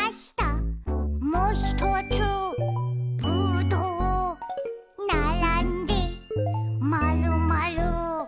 「もひとつぶどう」「ならんでまるまる」